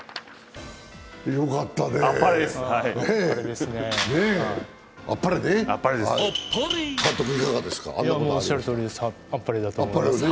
よかったね。